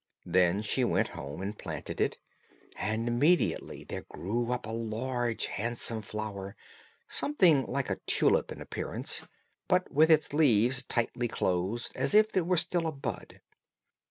Then she went home and planted it, and immediately there grew up a large handsome flower, something like a tulip in appearance, but with its leaves tightly closed as if it were still a bud.